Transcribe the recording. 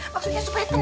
maksudnya supaya tenang